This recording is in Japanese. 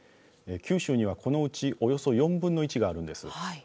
九州にはこのうちおよそ４分の１があるんです。